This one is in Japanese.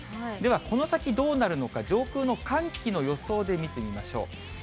ではこの先どうなるのか、上空の寒気の予想で見てみましょう。